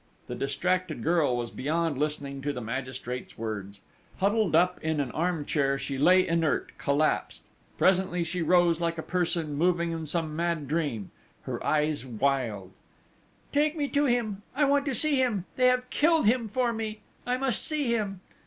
The distracted girl was beyond listening to the magistrate's words! Huddled up in an arm chair, she lay inert, collapsed. Presently she rose like a person moving in some mad dream, her eyes wild: "Take me to him!... I want to see him! They have killed him for me!... I must see him!"